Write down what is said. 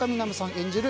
演じる